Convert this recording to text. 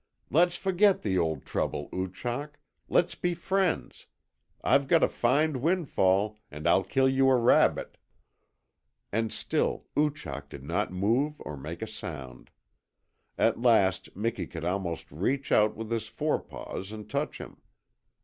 "Let's forget the old trouble, Oochak. Let's be friends. I've got a fine windfall and I'll kill you a rabbit." And still Oochak did not move or make a sound. At last Miki could almost reach out with his forepaws and touch him.